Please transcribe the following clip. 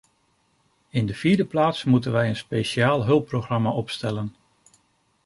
In de vierde plaats moeten wij een speciaal hulpprogramma opstellen.